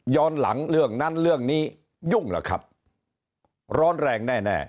หลังเรื่องนั้นเรื่องนี้ยุ่งล่ะครับร้อนแรงแน่แน่